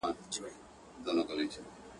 تا غرڅه غوندي اوتر اوتر کتلای.